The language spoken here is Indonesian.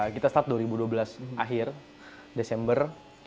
kita start dua ribu dua belas akhir desember